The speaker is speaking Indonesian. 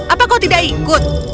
apa kau tidak ikut